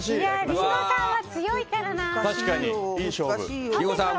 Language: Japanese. リンゴさんは強いからな。